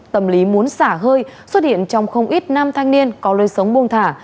tâm lý muốn xả hơi xuất hiện trong không ít năm thanh niên có lơi sống buông thả